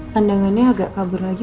pandangannya agak kabur lagi